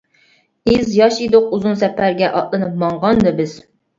ئىز ياش ئىدۇق ئۇزۇن سەپەرگە ئاتلىنىپ ماڭغاندا بىز.